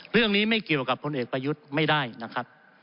ไม่เกี่ยวกับพลเอกประยุทธ์ไม่ได้นะครับ